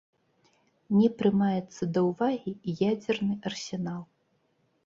Не прымаецца да ўвагі і ядзерны арсенал.